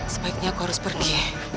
sebaiknya aku harus pergi